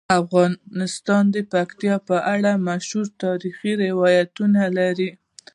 افغانستان د پکتیکا په اړه مشهور تاریخی روایتونه لري.